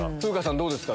どうですか？